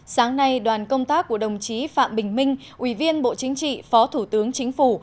sáng nay đoàn công tác của đồng chí phạm bình minh ủy viên bộ chính trị phó thủ tướng chính phủ